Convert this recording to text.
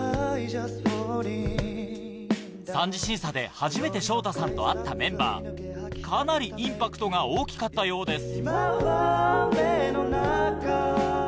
３次審査で初めて ＳＨＯＴＡ さんと会ったメンバーかなりインパクトが大きかったようです